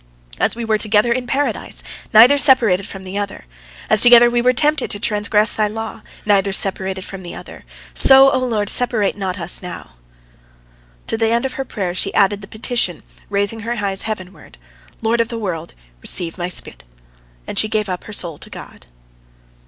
As we were together in Paradise, neither separated from the other; as together we were tempted to transgress Thy law, neither separated from the other, so, O Lord, separate us not now." To the end of her prayer she added the petition, raising her eyes heavenward, "Lord of the world! Receive my spirit!" and she gave up her soul to God.